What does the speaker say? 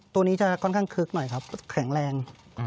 ตัวนี้จะค่อนข้างคึกหน่อยครับแข็งแรง